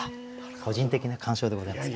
個人的な鑑賞でございますが。